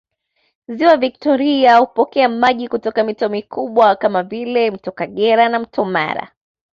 Ziwa Victoria hupokea maji kutoka mito mikubwa kama vile mto Kagera na mto Mara